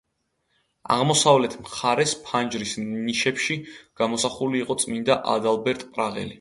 აღმოსავლეთ მხარეს ფანჯრის ნიშებში გამოსახული იყო წმინდა ადალბერტ პრაღელი.